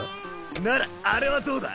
ならあれはどうだ？